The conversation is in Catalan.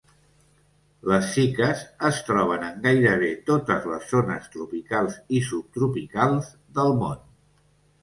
Les ciques es troben en gairebé totes les zones tropicals i subtropicals del món.